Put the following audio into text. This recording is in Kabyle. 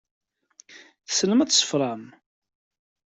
Tessnem ad tṣeffrem?